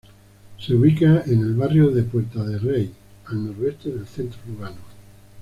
Se ubica en el barrio de Puerta de Rey al noreste del centro urbano.